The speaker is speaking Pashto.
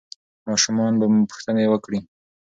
ماشومان به پوښتنې وکړي.